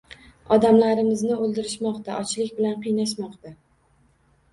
Odamlarimizni o‘ldirishmoqda, ochlik bilan qiynashmoqda